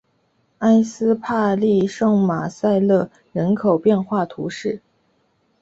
埃斯帕利圣马塞勒人口变化图示